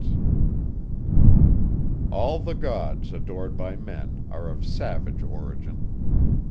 All the gods, adored by men, are of savage origin.